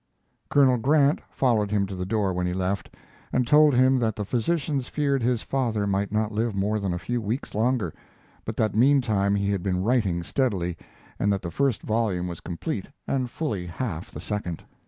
Colonel Grant followed him to the door when he left, and told him that the physicians feared his father might not live more than a few weeks longer, but that meantime he had been writing steadily, and that the first volume was complete and fully half the second.